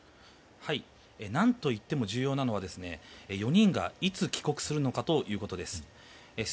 何といっても重要なのは４人がいつ帰国するのかということです。